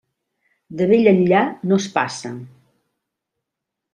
De vell enllà, no es passa.